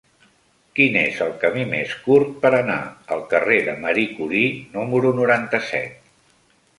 Quin és el camí més curt per anar al carrer de Marie Curie número noranta-set?